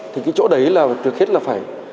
thì cái chỗ đấy là phải